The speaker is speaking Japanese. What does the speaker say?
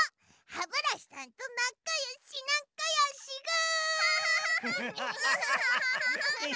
ハブラシさんとなかよしなかよしぐ！